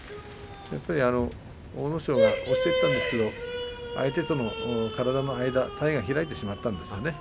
阿武咲が押していったんですが相手との体の間、体が開いてしまったんですね。